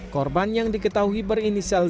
korban yang diketahui berinisial